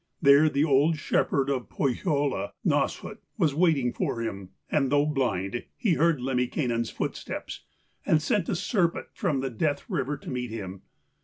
There the old shepherd of Pohjola, Nasshut, was waiting for him, and, though blind, he heard Lemminkainen's footsteps, and sent a serpent from the death river to meet him.